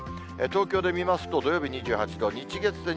東京で見ますと、土曜日２８度、日、月で２９度。